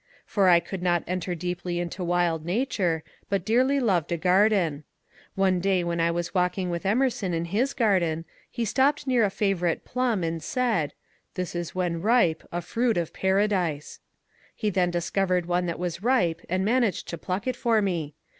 For I could not enter deeply into wild nature, but dearly loved a garden. One day when I was walking with Emerson in his garden, he stopped near a favourite plum and said, ^' This is when ripe a fruit of paradise." He then discovered one that was ripe and managed to pluck it for me.